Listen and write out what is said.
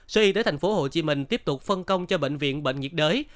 sở y tế thành phố hồ chí minh tiếp tục phân công cho bệnh viện bệnh nhiệt đới